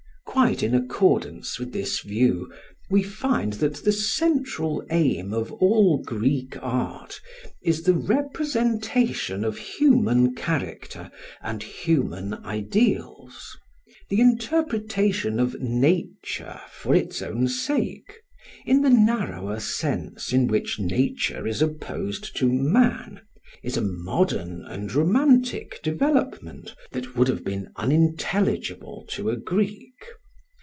Quite in accordance with this view we find that the central aim of all Greek art is the representation of human character and human ideals. The interpretation of "nature" for its own sake (in the narrower sense in which "nature" is opposed to man) is a modern and romantic development that would have been unintelligible to a Greek.